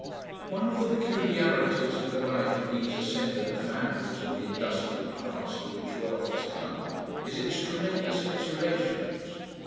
One of the peculiarities of the life of these ascendant families of the industrial class to which wealth has come, is its tremendous insulations.